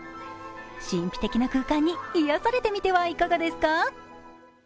神秘的な空間に癒やされてみてはいかがですか？